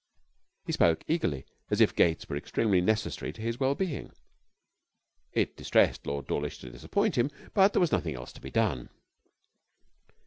He spoke eagerly, as if Gates were extremely necessary to his well being. It distressed Lord Dawlish to disappoint him, but there was nothing else to be done.